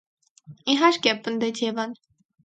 - Իհարկե,- պնդեց Եվան: